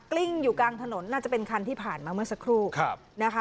ลิ้งอยู่กลางถนนน่าจะเป็นคันที่ผ่านมาเมื่อสักครู่นะคะ